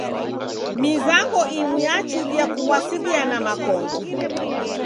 Mizango imu yachuria kuw'asiriana makongo.